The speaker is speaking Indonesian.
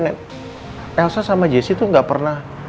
elsa sama jesse itu gak pernah